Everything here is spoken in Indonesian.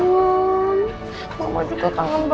oh lagi asik main